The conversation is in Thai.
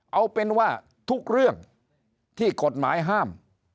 เอาเป็นว่าทุกเรื่องที่กฎหมายห้าม